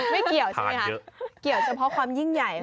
ไม่เกี่ยวใช่ไหมคะเกี่ยวเฉพาะความยิ่งใหญ่